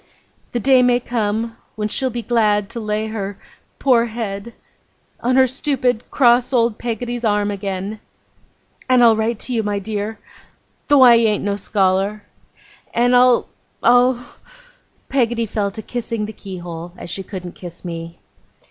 The day may come when she'll be glad to lay her poor head. On her stupid, cross old Peggotty's arm again. And I'll write to you, my dear. Though I ain't no scholar. And I'll I'll ' Peggotty fell to kissing the keyhole, as she couldn't kiss me.